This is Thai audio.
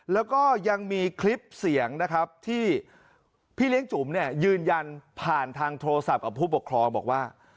แล้วก็ยังมีคลิปเสียงนะครับที่พี่เลี้ยงจุ๋มเนี่ยยืนยันผ่านทางโทรศัพท์กับผู้ปกครองบอกว่า